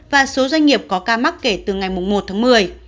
và số doanh nghiệp có ca mắc kể từ ngày một tháng một mươi